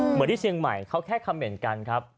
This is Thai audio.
เหมือนที่เชียงใหม่เขาแค่คำเหม็นกันครับ